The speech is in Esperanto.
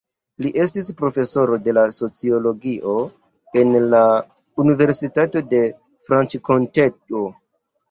Li estis profesoro de sociologio en la Universitato de Franĉkonteo.